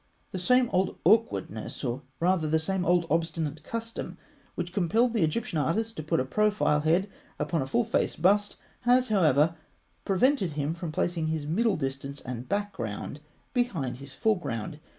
The same old awkwardness, or rather the same old obstinate custom, which compelled the Egyptian artist to put a profile head upon a full face bust, has, however, prevented him from placing his middle distance and background behind his foreground.